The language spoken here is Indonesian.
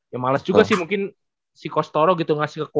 ya males juga sih mungkin si coach toro gitu